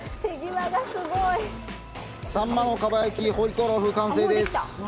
さんまの蒲焼きホイコーロー風完成です。